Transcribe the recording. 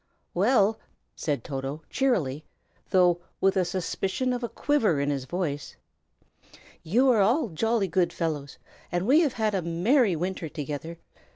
"Well," said Toto, cheerily, though with a suspicion of a quiver in his voice, "you are all jolly good fellows, and we have had a merry winter together.